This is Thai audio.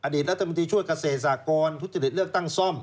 อดีตรัฐมนตรีช่วยกเศษอากรทุธฤทธิ์เลือกตั้งส่อม